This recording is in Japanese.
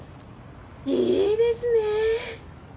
いいですね！